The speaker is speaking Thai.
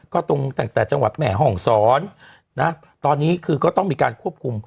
ก็ตรงตั้งแต่จังหวัดแม่ห้องศรนะตอนนี้คือก็ต้องมีการควบคุม